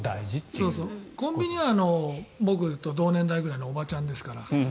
コンビニは僕と同年代ぐらいのおばちゃんですから。